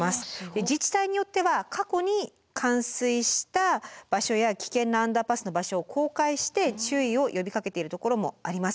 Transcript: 自治体によっては過去に冠水した場所や危険なアンダーパスの場所を公開して注意を呼びかけているところもあります。